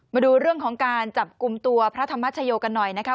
มาดูเรื่องของการจับกลุ่มตัวพระธรรมชโยกันหน่อยนะคะ